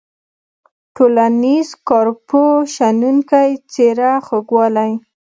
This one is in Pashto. څیړنیز، کارپوه ، شنونکی ، څیره، خوږوالی.